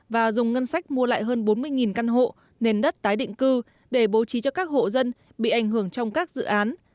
và dùng ngân sách mua lại hơn bốn mươi căn hộ nền đất tái định cư để bố trí cho các hộ dân bị ảnh hưởng trong các dự án